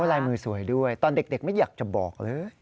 ลายมือสวยด้วยตอนเด็กไม่อยากจะบอกเลย